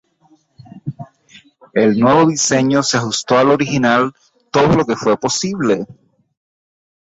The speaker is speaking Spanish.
El nuevo diseño se ajustó al original todo lo que fue posible.